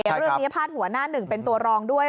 เรื่องนี้พาดหัวหน้าหนึ่งเป็นตัวรองด้วย